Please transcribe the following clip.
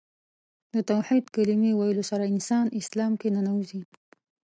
د توحید کلمې ویلو سره انسان اسلام کې ننوځي .